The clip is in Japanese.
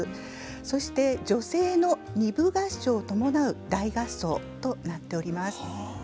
そして女声の二部合唱を伴う大合奏となっております。